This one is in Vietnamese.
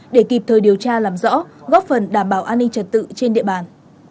để kịp thời điều tra làm rõ góp phần đảm bảo an ninh trật tự trên địa bàn